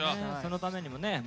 そのためにもね